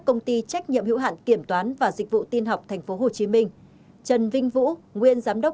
công ty trách nhiệm hữu hạn kiểm toán và dịch vụ tin học tp hcm trần vinh vũ nguyên giám đốc